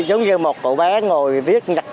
giống như một cụ bà